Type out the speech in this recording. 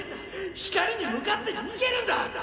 光に向かって逃げるんだ！